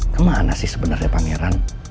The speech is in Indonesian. kemana sih sebenarnya pangeran